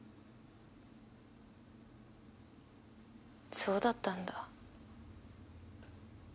そうだったんだ。